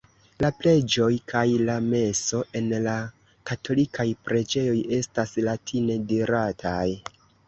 La preĝoj kaj la meso en la katolikaj preĝejoj estas latine dirataj.